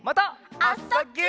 「あ・そ・ぎゅ」